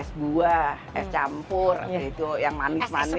es buah es campur gitu yang manis manis